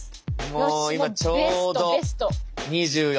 もう今ちょうど２４。